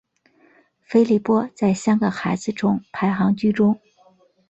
菲利波在三个孩子中排行居中。